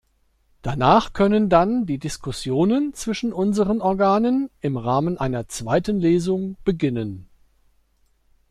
Danach können dann die Diskussionen zwischen unseren Organen im Rahmen einer zweiten Lesung beginnen.